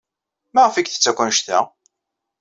Maɣef ay yettess akk anect-a?